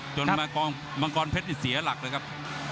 มังกรเพชรนี่เสียหลักเลยครับ